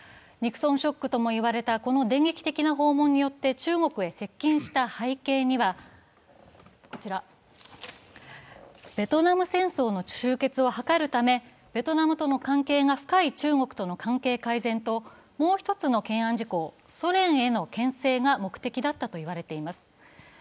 ニクソンショックとも言われたこの電撃的な訪問によって中国に接近した背景にはベトナム戦争の終結を図るため、ベトナムとの関係が深い中国との関係改善ともう１つの懸案事項、ソ連へのけん制が目的だったとしています。